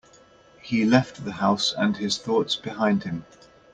He left the house and his thoughts behind him.